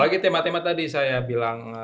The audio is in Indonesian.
bagi tema tema tadi saya bilang